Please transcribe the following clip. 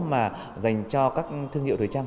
mà dành cho các thương hiệu thời trang